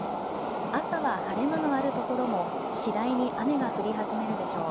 朝は晴れ間のある所も次第に雨が降り始めるでしょう。